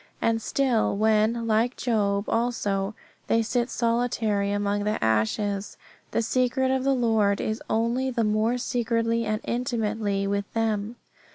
And still, when, like Job also, they sit solitary among the ashes, the secret of the Lord is only the more secretly and intimately with them.